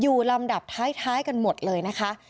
ลำดับท้ายกันหมดเลยนะคะ